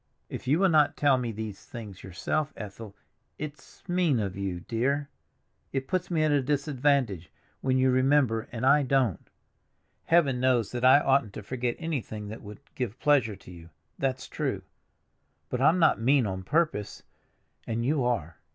"If you will not tell me these things yourself, Ethel—it's mean of you, dear; it puts me at a disadvantage when you remember and I don't. Heaven knows that I oughtn't to forget anything that would give pleasure to you—that's true; but I'm not mean on purpose, and you are.